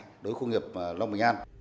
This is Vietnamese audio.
đối với khu công nghiệp long bình an